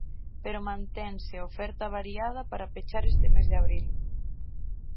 Pero mantense a oferta variada para pechar este mes de abril.